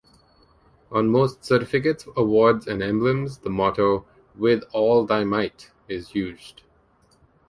On most certificates, awards and emblems, the motto, 'With All Thy Might' is used.